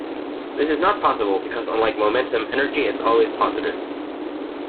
This is not possible, because, unlike momentum, energy is always positive.